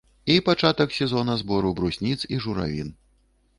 І пачатак сезона збору брусніц і журавін.